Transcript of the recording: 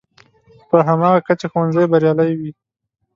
په هماغه کچه ښوونځی بریالی وي.